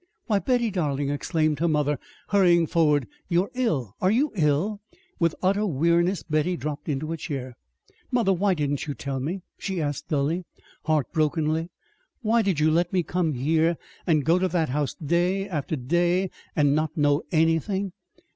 "Why, Betty, darling!" exclaimed her mother, hurrying forward. "You are ill! Are you ill?" With utter weariness Betty dropped into a chair. "Mother, why didn't you tell me?" she asked dully, heartbrokenly. "Why did you let me come here and go to that house day after day and not know anything?"